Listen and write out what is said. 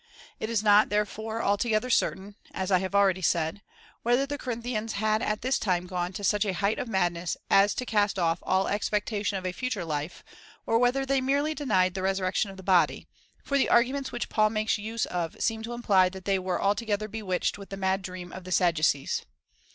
It is not, therefore, al together certain (as I have already said) whether the Corin thians had at this time gone to such a height of madness, as to cast off all expectation of a future life, or whether they merely denied the resurrection of the body ; for the argu ments which Paul makes use of seem to imply, that they were altogether bewitched with the mad dream of the Sad ducees.